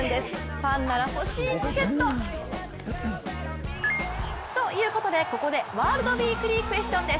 ファンなら欲しいチケット！ということで、ここでワールドウィークリークエスチョンです。